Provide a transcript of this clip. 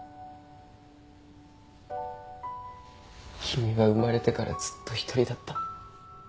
君は生まれてからずっと１人だった。